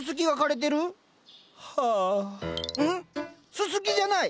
ススキじゃない。